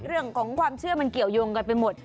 เรื่องของความเชื่อมันเกี่ยวยงกันไปหมด